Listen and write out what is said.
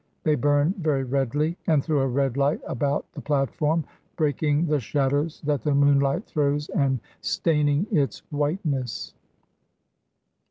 They burn very redly, and throw a red light about the platform, breaking the shadows that the moonlight throws and staining its whiteness.